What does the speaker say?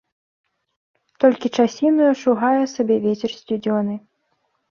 Толькі часінаю шугае сабе вецер сцюдзёны.